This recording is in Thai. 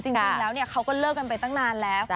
จริงแล้วเขาก็เลิกกันไปตั้งนานแล้ว